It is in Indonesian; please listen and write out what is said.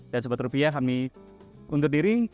dan sobat rupiah kami undur diri